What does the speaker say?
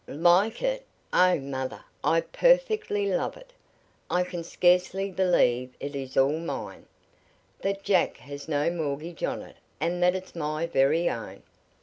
"Like it! Oh, mother, I perfectly love it! I can scarcely believe it is all mine that Jack has no mortgage on it and that it's my very own."